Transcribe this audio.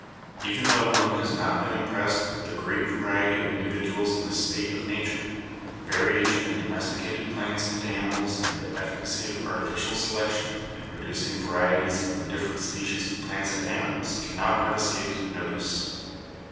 Even tho one has not been impressed with the great variety of individuals in the state of nature, variation in 194 BIOLOGY domesticated plants and animals and the efficacy of artificial selection in producing varieties of the different species of plants and animals cannot have escaped notice.